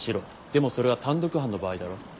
でもそれは単独犯の場合だろ？